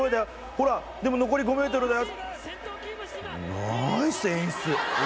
ほらでも残り５ｍだよ。